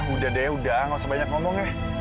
udah deh udah gak usah banyak ngomong ya